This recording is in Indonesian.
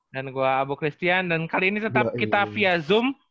gue abu christian dan kali ini tetap kita via zoom